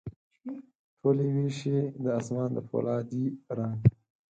ټولي ویشي د اسمان د پولا دي رنګ،